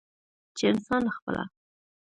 چې انسان خپله